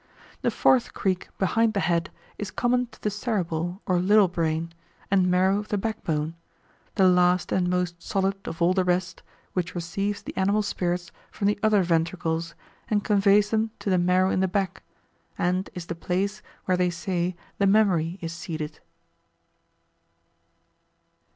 The fourth creek behind the head is common to the cerebel or little brain, and marrow of the backbone, the last and most solid of all the rest, which receives the animal spirits from the other ventricles, and conveys them to the marrow in the back, and is the place where they say the memory is seated.